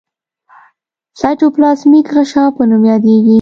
سایټوپلازمیک غشا په نوم یادیږي.